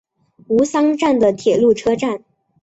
吾桑站的铁路车站。